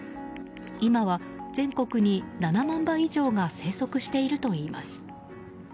今は、全国に７万羽以上が生息しているといいます。